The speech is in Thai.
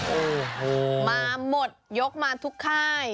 โอ้โหมาหมดยกมาทุกค่าย